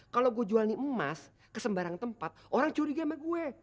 kalau gue jual nih emas ke sembarang tempat orang curiga sama gue